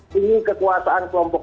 di kekuasaan kelompok